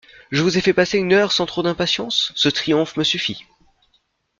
Je vous ai fait passer une heure sans trop d'impatience ; ce triomphe me suffit.